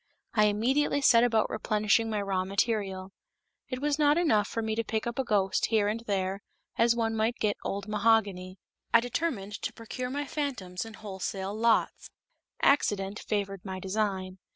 I immediately set about replenishing my raw material. It was not enough for me to pick up a ghost here and there, as one might get old mahogany; I determined to procure my phantoms in wholesale lots. Accident favored my design.